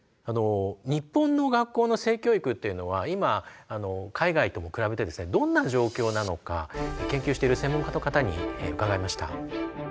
日本の学校の性教育っていうのは今海外とも比べてどんな状況なのか研究している専門家の方に伺いました。